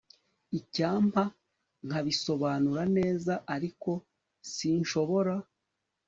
Icyampa nkabisobanura neza ariko sinshobora